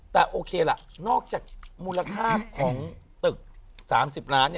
แต่โอเคล่ะนอกจากมูลค่าของตึก๓๐ล้าน